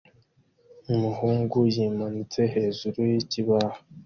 Umuhungu yimanitse hejuru yikibaho